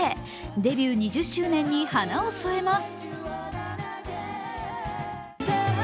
デビュー２０周年に花を添えます。